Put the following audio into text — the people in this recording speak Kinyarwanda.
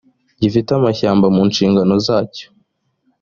gifite amashyamba mu nshingano zacyo